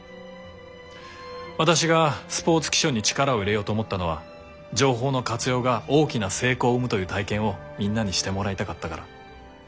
私がスポーツ気象に力を入れようと思ったのは情報の活用が大きな成功を生むという体験をみんなにしてもらいたかったから。